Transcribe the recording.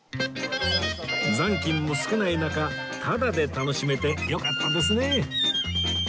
残金も少ない中タダで楽しめてよかったですね